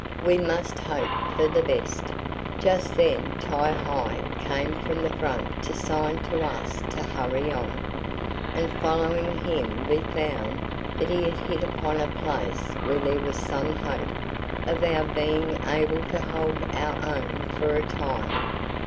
"We must hope for the best." Just then Ti hi came from the front to sign to us to hurry on, and following him we found that he had hit upon a place where there was some hope of our being able to hold our own for a time.